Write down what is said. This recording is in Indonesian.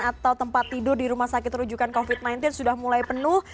atau tempat tidur di rumah sakit rujukan covid sembilan belas sudah mulai penuh